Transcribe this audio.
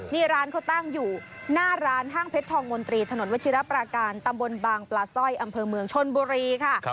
นี่ร้านเขาตั้งอยู่หน้าร้านห้างเพชรทองมนตรีถนนวัชิรปราการตำบลบางปลาสร้อยอำเภอเมืองชนบุรีค่ะ